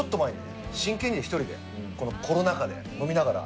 真剣に１人でこのコロナ禍で飲みながら。